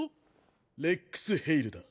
レックス＝ヘイルだ